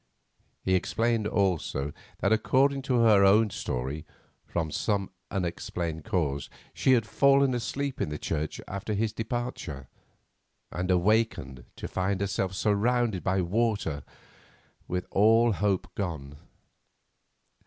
He explained also that according to her own story, from some unexplained cause she had fallen asleep in the church after his departure, and awakened to find herself surrounded by the waters with all hope gone.